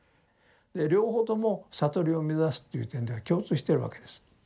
両方とも悟りを目指すという点では共通してるわけです。